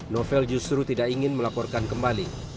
novel justru tidak ingin melaporkan kembali